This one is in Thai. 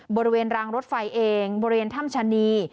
บริเวณรางรถไฟเองบริเวณถ้ำชะนี